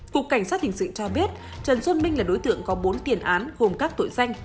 cục cảnh sát hình sự cho biết trần xuân minh là đối tượng có bốn tiền án gồm các tội danh